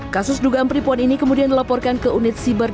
kasus dugaan penipuan ini kemudian dilaporkan ke unit siber